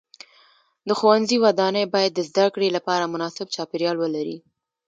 د ښوونځي ودانۍ باید د زده کړې لپاره مناسب چاپیریال ولري.